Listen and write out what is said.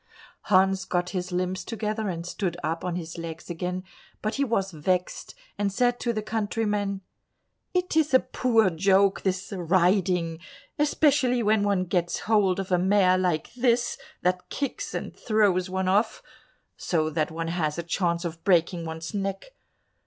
Hans got his limbs together and stood up on his legs again, but he was vexed, and said to the countryman, "It is a poor joke, this riding, especially when one gets hold of a mare like this, that kicks and throws one off, so that one has a chance of breaking one's neck.